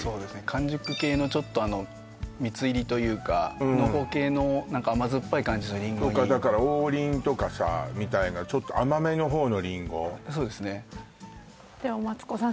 完熟系のちょっとあの蜜入りというか濃厚系の何か甘酸っぱい感じのリンゴにそうかだから王林とかさみたいなちょっと甘めの方のリンゴそうですねではマツコさん